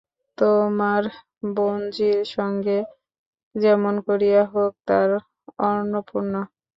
তোমার বোনঝির সঙ্গে যেমন করিয়া হউক, তার– অন্নপূর্ণা।